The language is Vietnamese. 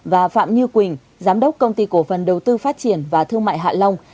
và phạm như quỳnh giám đốc công ty cổ phần đầu tư phát triển và thương mại hạ long